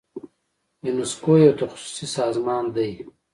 یونسکو یو تخصصي سازمان دی.